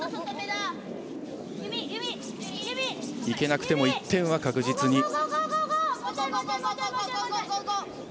いけなくても１点は確実に。